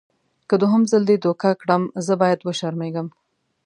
که دوهم ځل دې دوکه کړم زه باید وشرمېږم.